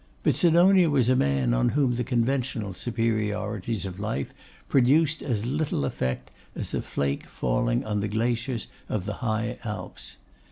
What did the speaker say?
But Sidonia was a man on whom the conventional superiorities of life produced as little effect as a flake falling on the glaciers of the high Alps.